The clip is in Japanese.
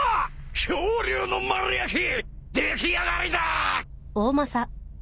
恐竜の丸焼き出来上がりだ！